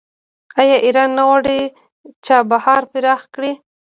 آیا ایران نه غواړي چابهار پراخ کړي؟